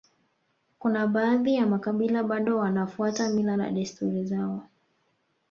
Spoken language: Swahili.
Kuna baadhi ya makabila bado wanafuata mila na desturi zao